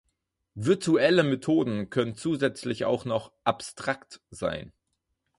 Virtuelle Methoden können zusätzlich auch noch "abstrakt" sein.